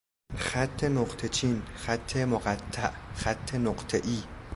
خط نقطهچین، خط مقطع، خط نقطهای